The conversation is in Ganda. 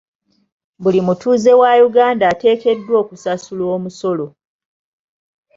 Buli mutuuze wa Uganda ateekeddwa okusasula omusolo.